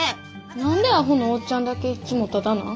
何でアホのおっちゃんだけいつもタダなん？